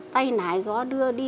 tay nải gió đưa đi